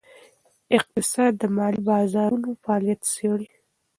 اقتصاد د مالي بازارونو فعالیت څیړي.